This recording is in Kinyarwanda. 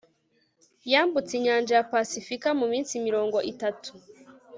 yambutse inyanja ya pasifika muminsi mirongo itatu